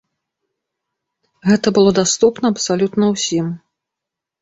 Гэта было даступна абсалютна ўсім.